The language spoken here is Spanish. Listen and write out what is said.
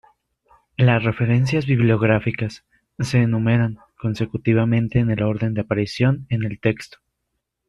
Las referencias bibliográficas se enumeran consecutivamente en el orden de aparición en el texto.